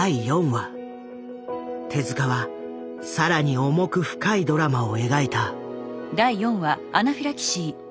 手は更に重く深いドラマを描いた。